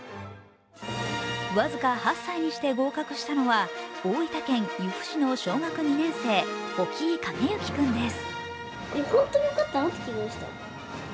僅か８歳にして合格したのは大分県由布市の小学２年生保木井景之君です。